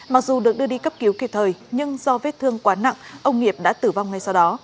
mặc dù được đưa đi cấp cứu kịp thời nhưng do vết thương quá nặng ông nghiệp đã tử vong ngay sau đó